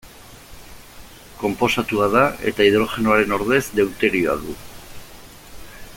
Konposatua da, eta hidrogenoaren ordez deuterioa du.